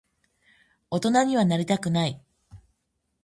大人にはなりたくない。